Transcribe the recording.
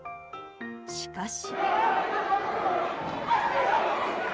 しかし。